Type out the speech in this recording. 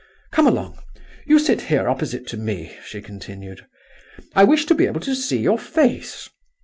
Come along; you sit here, opposite to me," she continued, "I wish to be able to see your face.